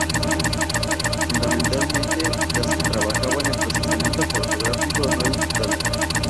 Fundamentalmente las que trabajan en procesamiento fotográfico no digital.